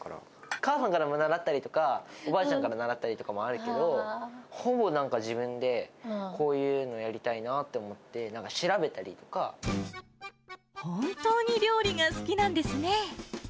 母さんから習ったりとか、おばあちゃんから習ったりとかもあるけど、ほぼなんか自分で、こういうのやりたいなって思って、なんか本当に料理が好きなんですね。